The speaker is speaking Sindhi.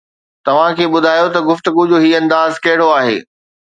توهان کي ٻڌايو ته گفتگو جو هي انداز ڪهڙو آهي